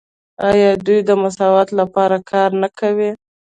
آیا دوی د مساوات لپاره کار نه کوي؟